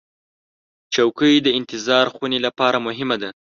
چوکۍ د انتظار خونې لپاره مهمه ده.